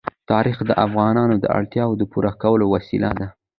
تاریخ د افغانانو د اړتیاوو د پوره کولو وسیله ده.